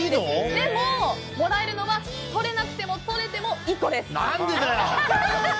でも、もらえるのは取れなくても取れても何でだよ！